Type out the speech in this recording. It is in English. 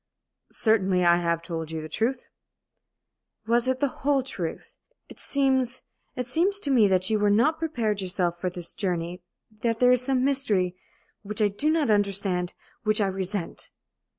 "Certainly I have told you the truth." "Was it the whole truth? It seems it seems to me that you were not prepared yourself for this journey that there is some mystery which I do not understand which I resent!"